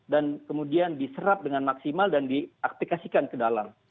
dan kemudian diserap dengan maksimal dan diaktifkasikan ke dalam